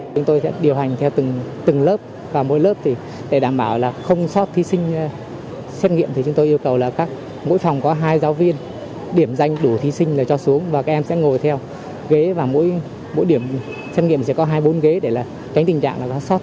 chúng tôi sẽ điều hành theo từng lớp và mỗi lớp thì để đảm bảo là không sót thí sinh xét nghiệm thì chúng tôi yêu cầu là mỗi phòng có hai giáo viên điểm danh đủ thí sinh là cho xuống và các em sẽ ngồi theo ghế và mỗi điểm xét nghiệm sẽ có hai mươi bốn ghế để tránh tình trạng là nó sót